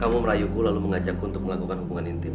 kamu merayuku lalu mengajakku untuk melakukan hubungan intim